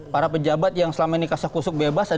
para pejabat yang selama ini kasus kusuk bebas